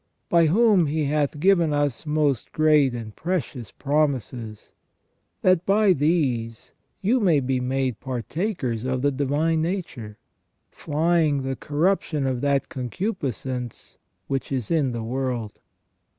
By whom He hath given us most great and precious promises ; that by these you may be made partakers of the divine nature ; flying the corruption of that concupiscence which is in the world."